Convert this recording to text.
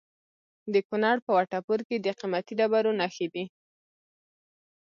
د کونړ په وټه پور کې د قیمتي ډبرو نښې دي.